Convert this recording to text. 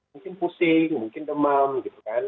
mungkin pusing mungkin demam gitu kan